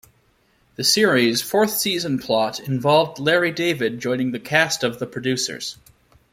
The series' fourth season plot involved Larry David joining the cast of "The Producers".